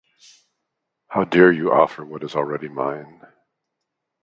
How dare you offer what is already mine?